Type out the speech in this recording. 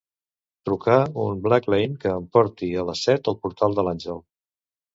Trucar un Blacklane que em porti a les set al Portal de l'Àngel.